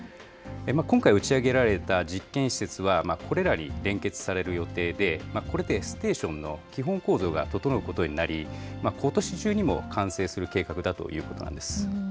今回、打ち上げられた実験施設は、これらに連結される予定で、これでステーションの基本構造が整うことになり、ことし中にも完成する計画だということなんです。